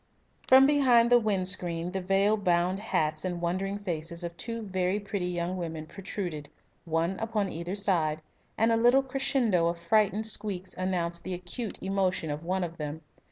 From behind the wind screen the veil bound hats and wondering faces of two very pretty young women protruded, one upon either side, and a little crescendo of frightened squeaks announced the acute emotion of one of them.